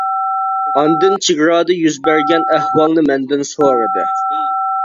ئاندىن چېگرادا يۈز بەرگەن ئەھۋالنى مەندىن سورىدى.